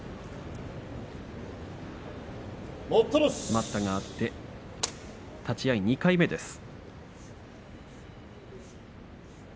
待ったがあって立ち合い２回目です。